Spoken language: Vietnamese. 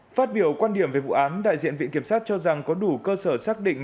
phát biểu quan điểm về vụ án đại diện viện kiểm sát cho rằng có đủ cơ sở xác định